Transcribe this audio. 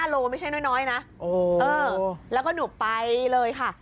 โลไม่ใช่น้อยนะแล้วก็หนุบไปเลยค่ะ